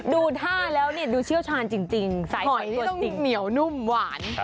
ดูท่าแล้วเนี่ยดูเชี่ยวชาญจริงสายหอยตัวจริงเหนียวนุ่มหวาน